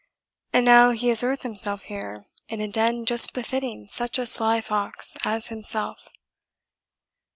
And now he has earthed himself here, in a den just befitting such a sly fox as himself."